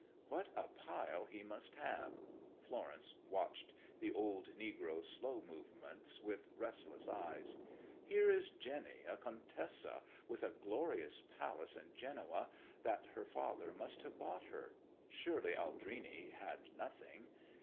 "What a pile he must have!" Florence watched the old negro's slow movements with restless eyes. "Here is Jenny, a Contessa, with a glorious palace in Genoa that her father must have bought her. Surely Aldrini had nothing.